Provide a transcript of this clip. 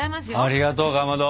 ありがとうかまど。